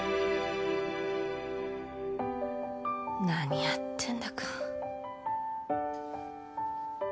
何やってんだか。